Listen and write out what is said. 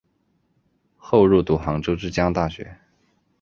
后入读杭州之江大学。